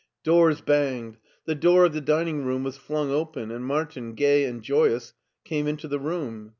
Doors banged. The door of the dining room was flung open and Martin, gay and joyous, came into the room.